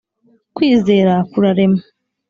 Kwizera kurarema